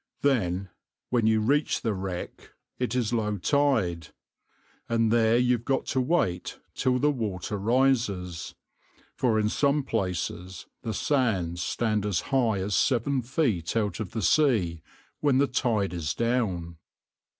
Then, when you reach the wreck, it is low tide, and there you've got to wait till the water rises, for in some places the sands stand as high as seven feet out of the sea when the tide is down.